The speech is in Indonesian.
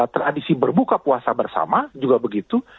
tradisi berbuka puasa bersama juga begitu